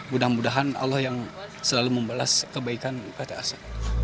mudah mudahan allah yang selalu membalas kebaikan pt arsa